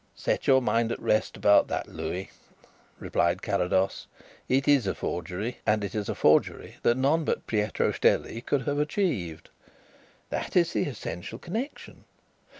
"Set your mind at rest about that, Louis," replied Carrados. "It is a forgery, and it is a forgery that none but Pietro Stelli could have achieved. That is the essential connexion.